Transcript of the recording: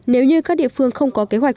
nếu như các địa phương không có kế hoạch